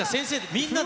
みんなで？